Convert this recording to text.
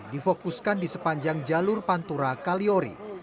difokuskan di sepanjang jalur pantura kaliori